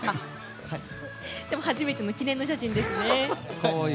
でも初めての記念の写真ですね。